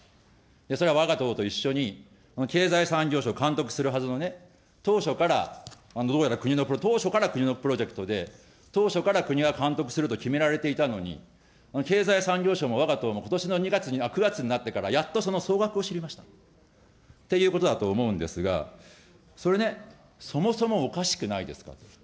それはわが党と一緒に、経済産業省監督するはずのね、当初からどうやら国の、当初から国のプロジェクトで当初から国が監督すると決められていたのに、経済産業省もわが党もことしの２月に、９月になってから、やっとその総額を知りましたということだと思うんですが、それね、そもそもおかしくないですかと。